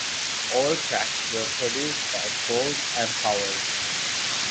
All tracks were produced by Folds and Powers.